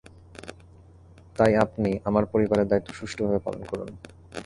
তাই আপনি আমার পরিবারের দায়িত্ব সুষ্ঠুভাবে পালন করুন!